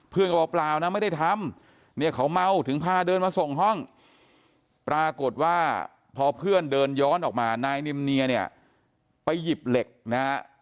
เขาบอกเปล่านะไม่ได้ทำเนี่ยเขาเมาถึงพาเดินมาส่งห้องปรากฏว่าพอเพื่อนเดินย้อนออกมานายนิมเนียเนี่ยไปหยิบเหล็กนะฮะ